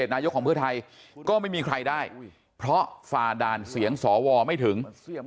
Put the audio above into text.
นายกของเพื่อไทยก็ไม่มีใครได้เพราะฝ่าด่านเสียงสวไม่ถึง